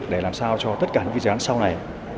để làm sao cho tất cả những dự án sau này